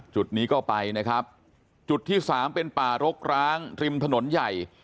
จุดนี้ก็ไปนะครับจุดที่สามเป็นป่ารกร้างริมถนนใหญ่